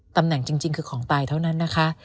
ตำแหน่งจริงคือของตายเท่านั้นนะคะ